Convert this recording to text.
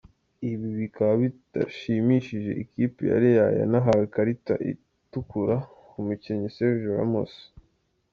Ibi bikaba bitashimishije ikipe ya real yanahawe ikarita itukura ku mukinnyi Sergio Ramos.